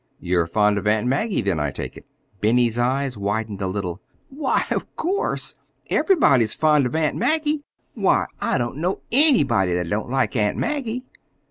"You're fond of Aunt Maggie, then, I take it." Benny's eyes widened a little. "Why, of course! Everybody's fond of Aunt Maggie. Why, I don't know anybody that don't like Aunt Maggie."